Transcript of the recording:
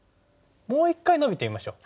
もう一回ノビてみましょう。